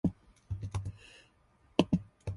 朝起きたら顔浮腫んでいた